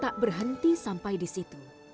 tak berhenti sampai di situ